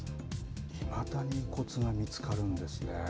いまだに遺骨が見つかるんですね。